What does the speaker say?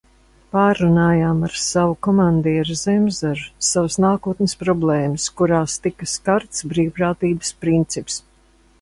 Pārrunājām ar savu komandieri Zemzaru savas nākotnes problēmas, kurās tika skarts brīvprātības princips.